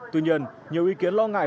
tuy nhiên nhiều ý kiến lo ngại